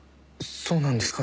そうなんですか？